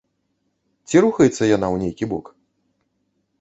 Ці рухаецца яна ў нейкі бок?